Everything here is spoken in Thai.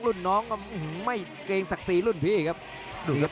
รุ่นน้องก็ไม่เกรงศักดิ์ศรีรุ่นพี่ครับดูครับ